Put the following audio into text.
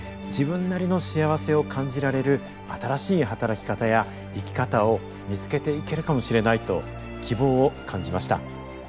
自分なりの幸せを感じられる新しい働き方や生き方を見つけていけるかもしれないと希望を感じました。